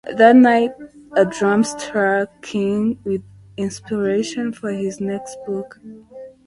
That night, a dream struck King with inspiration for his next book.